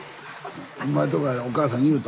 お前のとこはお母さんに言うた？